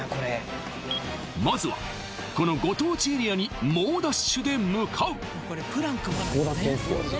まずはこのご当地エリアに猛ダッシュで向かうえ！